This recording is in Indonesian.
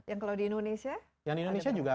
yang di indonesia yang di indonesia juga